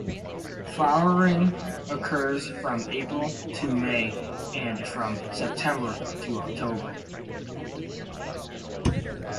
Flowering occurs from April to May and from September to October.